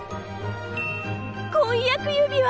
婚約指輪！